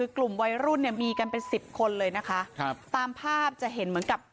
กลุ่มวัยรุ่นเนี่ยมีกันเป็นสิบคนเลยนะคะครับตามภาพจะเห็นเหมือนกับ